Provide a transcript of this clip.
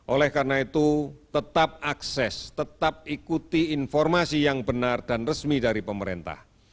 oleh karena itu tetap akses tetap ikuti informasi yang benar dan resmi dari pemerintah